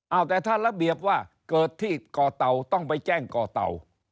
เอาแต่ถ้าระเบียบว่าเกิดที่ก่อเต่าต้องไปแจ้งก่อเต่า